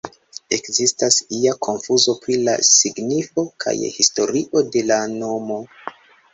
Ekzistas ia konfuzo pri la signifo kaj historio de la nomo.